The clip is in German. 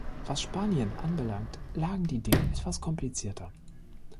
Was Spanien anbelangt, lagen die Dinge etwas komplizierter.